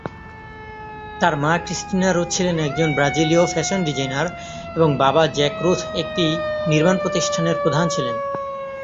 তার মা Christina Ruth ছিলেন একজন ব্রাজিলীয় ফ্যাশন ডিজাইনার, এবং বাবা জ্যাক রুথ একটি নির্মাণ প্রতিষ্ঠানের প্রধান ছিলেন।